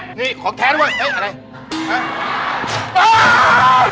นี่ของแท้ทั้งหมด